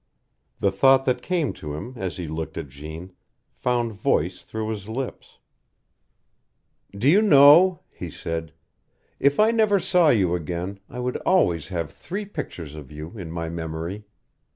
The thought that came to him, as he looked at Jeanne, found voice through his lips. "Do you know," he said, "if I never saw you again I would always have three pictures of you in my memory.